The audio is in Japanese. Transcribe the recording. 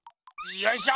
よいしょ！